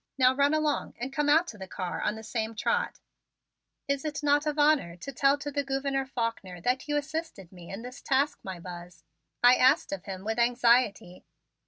Now run along and come out to the car on the same trot." "Is it of honor not to tell to the Gouverneur Faulkner that you assisted me in this task, my Buzz?" I asked of him with anxiety.